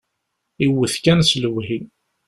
Iwwet kan s lehwi.